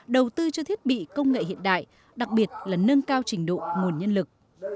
đầu tư cho thiết bị công nghệ hiện đại đặc biệt là nâng cao trình độ nguồn nhân lực